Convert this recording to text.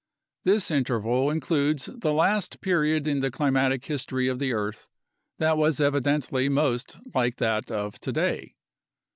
This interval includes the last period in the climatic history of the earth that was evi dently most like that of today.